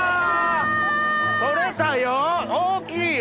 採れたよ大きいよ。